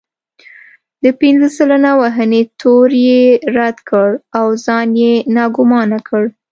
د پنځه سلنه وهنې تور يې رد کړ او ځان يې ناګومانه کړ.